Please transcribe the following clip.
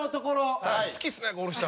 澤部：好きですね、ゴール下。